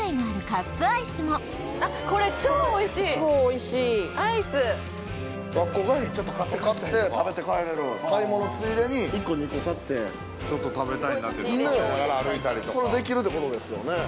カップアイスも超おいしいアイス学校帰りにちょっと買って買って食べて帰れる買い物ついでに１個２個買ってちょっと食べたいなって時に食べながら歩いたりとかそれできるってことですよね